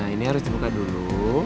ini harus dibuka dulu